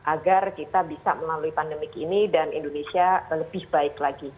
agar kita bisa melalui pandemik ini dan indonesia lebih baik lagi